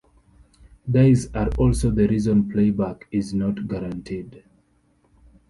Dyes are also the reason playback is not guaranteed.